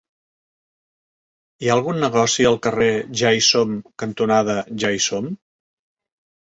Hi ha algun negoci al carrer Ja-hi-som cantonada Ja-hi-som?